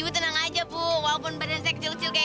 tunggu aku bawa